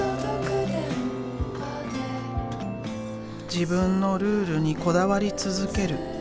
自分のルールにこだわり続ける。